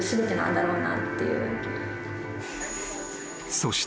［そして］